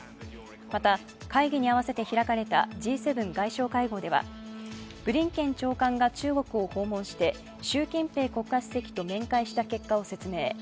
また、会議に合わせて開かれたＧ７外相会合では、ブリンケン長官が中国を訪問して、習近平国家主席と面会した結果を説明。